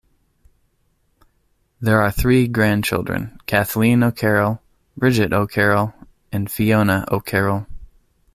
There are three grand children, Kathleen O'Carroll, Bridget O'Carroll and Fiona O'Carroll.